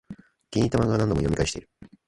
気に入ったマンガは何度も読み返してる